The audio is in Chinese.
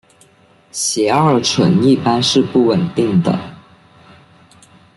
偕二醇一般是不稳定的。